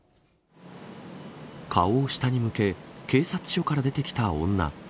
顔を下に向け、警察署から出てきた女。